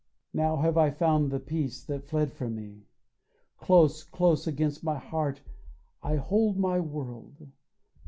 Now have I found the peace that fled from me; Close, close against my heart I hold my world.